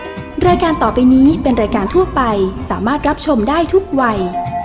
รายการต่อไปนี้เป็นรายการทั่วไปสามารถรับชมได้ทุกวัย